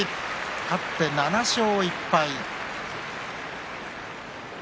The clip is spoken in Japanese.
勝って７勝１敗。